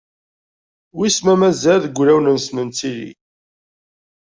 wiss ma mazal deg wulawen-nsen nettili.